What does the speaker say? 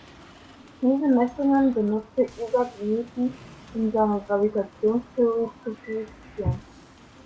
Diese Messungen benutzte Isaac Newton, um seine Gravitationstheorie zu verifizieren.